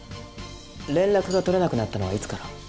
連絡が取れなくなったのはいつから？